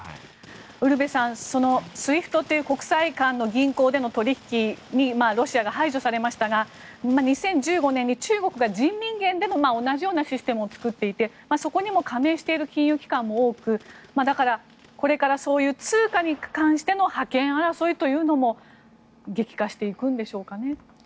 ウルヴェさんＳＷＩＦＴという国際間の銀行での取引にロシアが排除されましたが２０１５年に中国が人民元でも同じようなシステムを作っていてそこに加盟している金融機関も多くだから、これからそういう通貨に関しての覇権争いというのも激化していくんでしょうかね。